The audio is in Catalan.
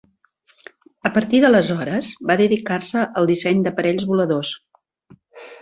A partir d'aleshores va dedicar-se al disseny d'aparells voladors.